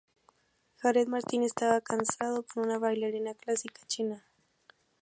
Jared Martín estaba casado con una bailarina clásica china.